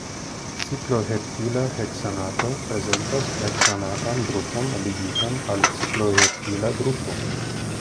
Cikloheptila heksanato prezentas heksanatan grupon ligitan al cikloheptila grupo.